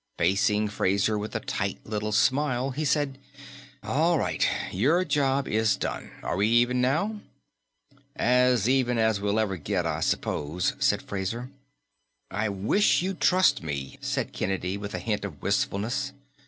Facing Fraser with a tight little smile, he said: "All right. Your job is done. Are we even now?" "As even, as we'll ever get, I suppose," said Fraser. "I wish you'd trust me," said Kennedy with a hint of wistfulness.